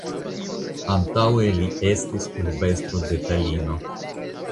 Antaŭe li estis urbestro de Talino.